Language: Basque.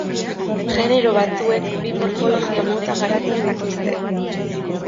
Genero batzuek bi morfologia mota garatzen dituzte.